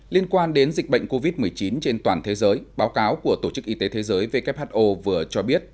liên quan đến dịch bệnh covid một mươi chín trên toàn thế giới báo cáo của tổ chức y tế thế giới who vừa cho biết